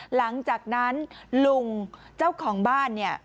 หลังจากนั้นลุงเจ้าของบ้านเนี่ย